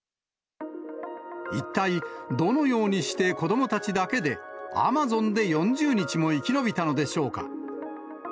一体、どのようにして子どもたちだけでアマゾンで４０日も生き延びたのでしょうか。